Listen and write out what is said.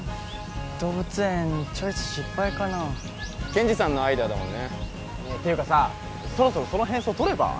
動物園チョイス失敗かなケンジさんのアイデアだもんねていうかさそろそろその変装取れば？